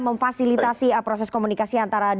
memfasilitasi proses komunikasi antara